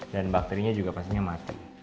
bakterinya juga pastinya mati